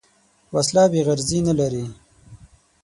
وسله بېغرضي نه لري